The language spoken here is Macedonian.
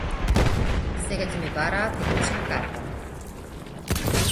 Сега ќе ми бараат и лична карта.